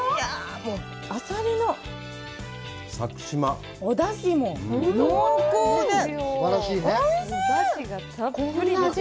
もうあさりのお出汁も濃厚で！